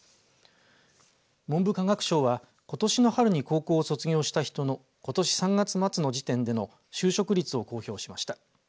文部科学省はことしの春に高校を卒業した人のことし３月末時点での就職率を公表しました。